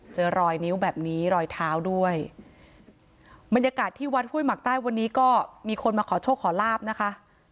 เจอรอยนิ้วแบบนี้รอยเท้าด้วยบรรยากาศที่วัดห้วยหมักใต้วันนี้ก็มีคนมาขอโชคขอลาบนะคะ